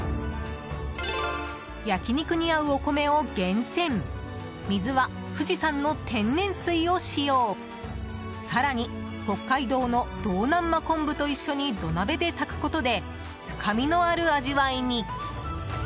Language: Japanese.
焼き肉に合うお米を厳選水は富士山の天然水を使用更に北海道の道南真昆布と一緒に土鍋で炊くことで深みのある味わいに。